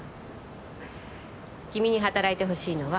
君に働いてほしいのは。